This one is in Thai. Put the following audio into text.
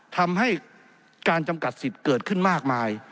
ทำให้การจำกัดสิทธิ์เกิดขึ้นมากมาย